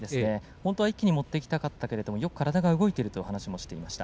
本当は一気に持っていきたかったけど、よく体が動いていると話していました。